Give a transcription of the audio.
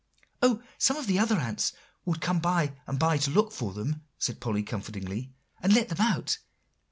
"Oh! some of the other ants would come by and by, to look for them," said Polly comfortingly, "and let them out.